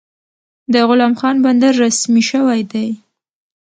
د غلام خان بندر رسمي شوی دی؟